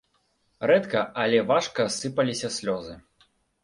Рэдка, але важка сыпаліся слёзы.